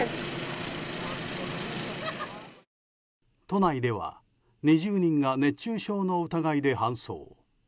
都内では２０人が熱中症の疑いで搬送。